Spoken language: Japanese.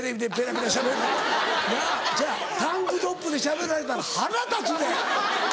タンクトップでしゃべられたら腹立つで。